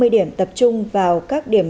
năm trăm năm mươi điểm tập trung vào các điểm